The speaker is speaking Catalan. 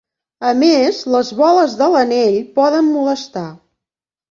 A més, les boles de l'anell poden molestar.